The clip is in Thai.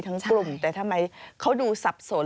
กลุ่มแต่ทำไมเขาดูสับสน